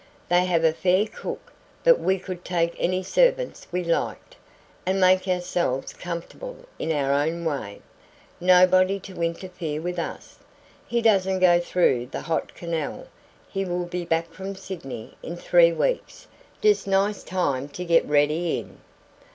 They have a fair cook; but we could take any servants we liked, and make ourselves comfortable in our own way nobody to interfere with us. He doesn't go through the hot canal. He will be back from Sydney in three weeks just nice time to get ready in."